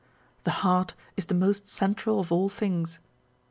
The heart is the most central of all things.